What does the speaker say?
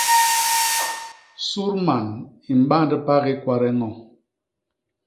Sudman i mband pagi kwade ño.